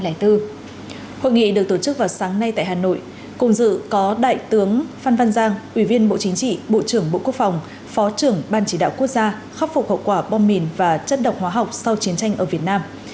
hội nghị được tổ chức vào sáng nay tại hà nội cùng dự có đại tướng phan văn giang ủy viên bộ chính trị bộ trưởng bộ quốc phòng phó trưởng ban chỉ đạo quốc gia khắc phục hậu quả bom mìn và chất độc hóa học sau chiến tranh ở việt nam